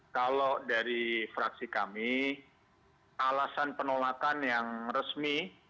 kalau dari fraksi kami alasan penolakan yang resmi